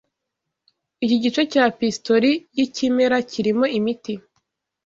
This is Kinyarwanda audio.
Iki gice cya pisitori yikimera kirimo imiti